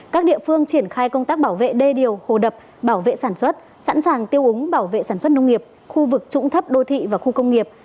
các địa phương triển khai công tác bảo vệ đê điều hồ đập bảo vệ sản xuất sẵn sàng tiêu úng bảo vệ sản xuất nông nghiệp khu vực trũng thấp đô thị và khu công nghiệp